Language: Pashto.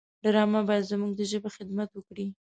ډرامه باید زموږ د ژبې خدمت وکړي